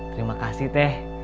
terima kasih teh